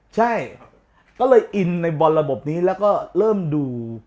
ใช่ก็เลยอินในบอลระบบนี้แล้วก็เริ่มดู